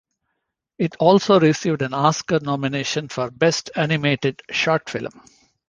It also received an Oscar nomination for best animated short film.